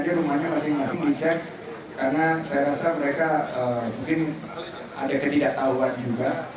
di bprd rumahnya masih di cek karena saya rasa mereka mungkin ada ketidaktahuan juga